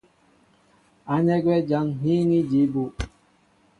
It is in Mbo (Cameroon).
Ánɛ́ gwɛ́ jǎn ŋ́ hííŋí jǐ bú.